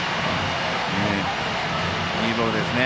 いいボールですね。